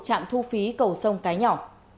trạm thu phí cầu sông cái nhỏ